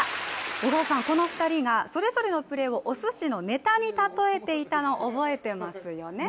小川さん、この２人がそれぞれのプレーをおすしのネタに例えていたのを覚えてますよね？